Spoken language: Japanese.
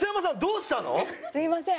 すいません。